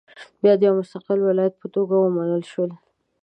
بیا د یو مستقل ولایت په توګه ومنل شول.